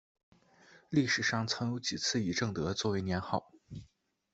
历史上曾有几次以正德作为年号。